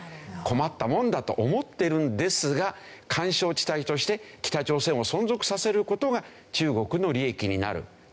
困ったもんだと思ってるんですが緩衝地帯として北朝鮮を存続させる事が中国の利益になるという。